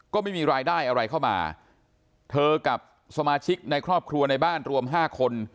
ก็ไม่มีรายได้อะไรเข้ามาเธอกับสมาชิกในครอบครัวในบ้านรวมห้าคน